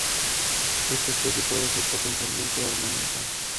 Esta especie puede ser potencialmente ornamental.